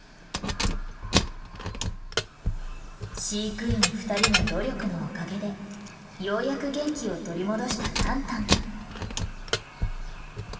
飼育員２人の努力のおかげでようやく元気を取り戻したタンタン。